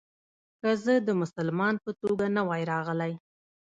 که زه د مسلمان په توګه نه وای راغلی.